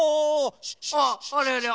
ああありゃりゃ！